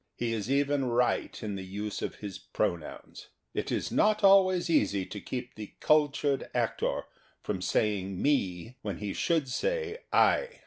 He is even right in the use of his pronouns. It is not always easy to keep the cultured actor from saying " me" when he should say " I."